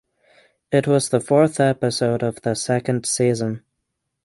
It was the fourth episode of the second season.